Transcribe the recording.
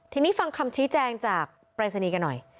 ทีนี้ฟังคำชี้แจงจากปรายศนีย์กันหน่อย